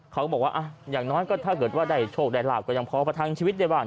เขาบอกว่าอย่างน้อยก็ถ้าเกิดว่าได้โชคได้ลาบก็ยังพอประทังชีวิตได้บ้าง